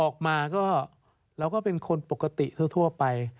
ออกมาก็เราก็เป็นคนปกติทั่วไป